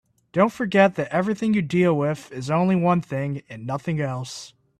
Don't forget that everything you deal with is only one thing and nothing else.